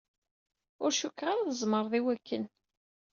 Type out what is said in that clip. Ur cukkeɣ ara tzemreḍ i wakken.